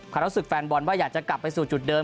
ความรู้สึกแฟนบอลว่าอยากจะกลับไปสู่จุดเดิม